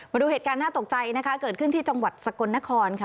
มาดูเหตุการณ์น่าตกใจนะคะเกิดขึ้นที่จังหวัดสกลนครค่ะ